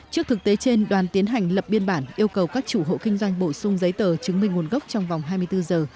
trước thực tế trên đoàn tiến hành lập biên bản yêu cầu các chủ hộ kinh doanh bổ sung giấy tờ chứng minh nguồn gốc trong vòng hai mươi bốn giờ